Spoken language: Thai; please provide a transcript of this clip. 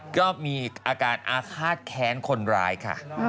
ก็มีอาการอาฆาตแค้นคนร้ายค่ะ